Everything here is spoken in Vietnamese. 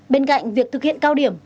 bên cạnh việc thực hiện cao điểm